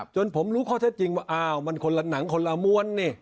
จนผมรู้ข้อเท็จจริงว่ามันคนละหนังคนละมวล